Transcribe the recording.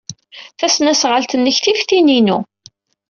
Tasnasɣalt-nnek tif tin-inu.